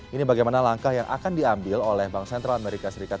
ini bagaimana langkah yang akan diambil oleh bank sentral amerika serikat